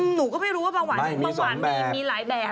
หนูก็ไม่รู้ว่าเบาหวานมีหลายแบบไม่มีสองแบบ